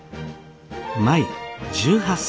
舞１８歳。